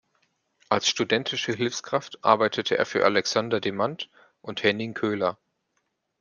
Als studentische Hilfskraft arbeitete er für Alexander Demandt und Henning Köhler.